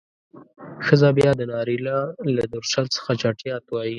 ښځه بيا د نارينه له درشل څخه چټيات وايي.